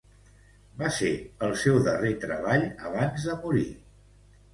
Va ser el seu darrer treball abans de morir.